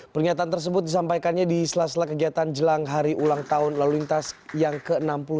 pernyataan tersebut disampaikannya di sela sela kegiatan jelang hari ulang tahun lalu lintas yang ke enam puluh dua